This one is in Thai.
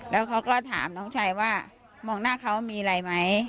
แล้วเขาก็ถามน้องชายว่ามองหน้าเขามีอะไรไหม